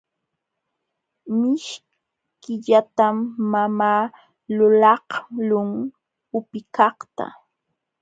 Mishkillatam mamaa lulaqlun upikaqta.